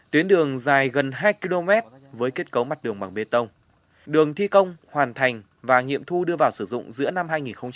tuyến đường dài gần hai km với kết cấu mặt đường bằng bê tông đường thi công hoàn thành và nghiệm thu đưa vào sử dụng giữa năm hai nghìn một mươi sáu